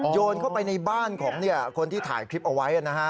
โยนเข้าไปในบ้านของคนที่ถ่ายคลิปเอาไว้นะฮะ